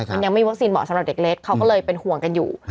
มันยังไม่มีวัคซีนเหมาะสำหรับเด็กเล็กเขาก็เลยเป็นห่วงกันอยู่